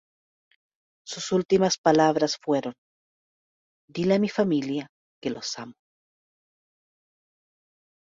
Sus últimas palabras fueron: "Dile a mi familia que los amo.